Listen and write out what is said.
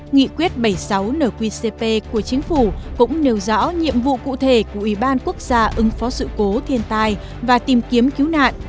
nghị quyết bảy mươi sáu nqcp của chính phủ cũng nêu rõ nhiệm vụ cụ thể của ủy ban quốc gia ứng phó sự cố thiên tai và tìm kiếm cứu nạn